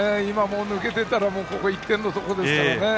抜けていたらここ１点のところですからね。